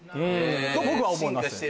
と僕は思います。